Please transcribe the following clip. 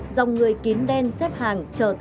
dòng người kín đen xếp hàng chờ tìm được cây xăng